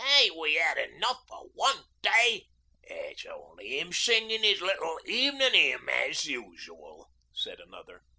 'Ain't we 'ad enough for one day?' 'It's only 'im singin' 'is little evenin' hymn as usual,' said another.